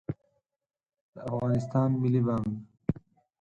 د افغانستان ملي بانګ